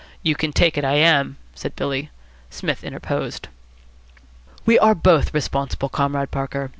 "You can take it I am," said Billy. Psmith interposed. "We are both responsible, Comrade Parker.